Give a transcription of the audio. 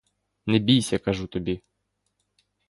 Не бійся, кажу тобі.